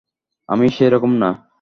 আমি সেরকম না।